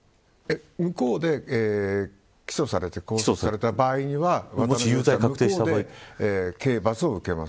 向こうで起訴されて拘束された場合には向こうで刑罰を受けます。